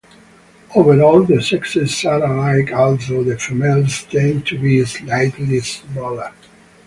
Overall the sexes are alike, although the females tend to be slightly smaller.